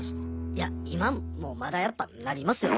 いや今もまだやっぱなりますよ。